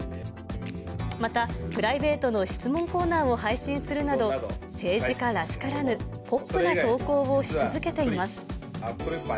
また、プライベートの質問コーナーを配信するなど、政治家らしからぬポップな投稿をし続けています。